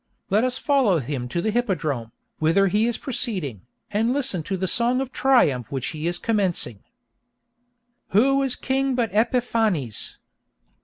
Let us follow him to the hippodrome, whither he is proceeding, and listen to the song of triumph which he is commencing: Who is king but Epiphanes?